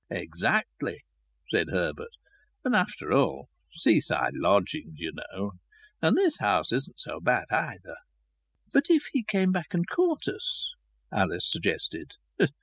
"Exactly," said Herbert. "And after all, seaside lodgings, you know.... And this house isn't so bad either." "But if he came back and caught us?" Alice suggested.